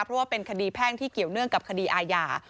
เพราะว่าเป็นคดีแพ่งที่เกี่ยวเนื่องกับคดีอาญา